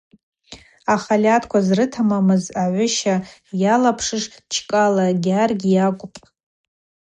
Ахальатӏква зрытамамыз, агӏвыща йалапшыз – Чкӏала Гьаргь йакӏвпӏ.